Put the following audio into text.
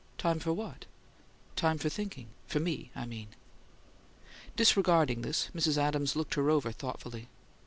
"Time for what?" "Time for thinking for me, I mean?" Disregarding this, Mrs. Adams looked her over thoughtfully.